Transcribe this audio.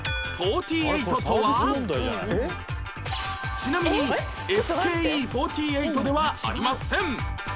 ちなみに ＳＫＥ４８ ではありません